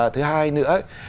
thứ hai nữa